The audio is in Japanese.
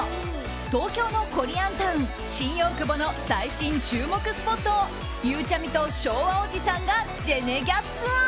東京のコリアンタウン新大久保の最新注目スポットをゆうちゃみと昭和おじさんがジェネギャツアー。